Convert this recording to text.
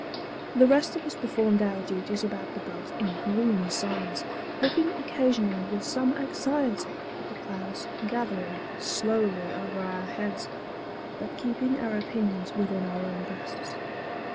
The rest of us performed our duties about the boat in gloomy silence, looking occasionally with some anxiety at the clouds gathering slowly over our heads, but keeping our opinions within our own breasts.